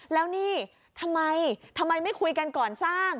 แล้วนี่ทำไมทำไมไม่คุยกันก่อนสร้าง